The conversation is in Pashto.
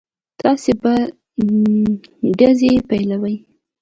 تاسې به ډزې پيلوئ.